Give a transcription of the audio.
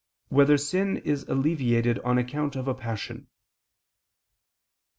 6] Whether Sin Is Alleviated on Account of a Passion?